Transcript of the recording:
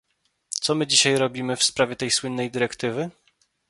Co my dzisiaj robimy w sprawie tej słynnej dyrektywy?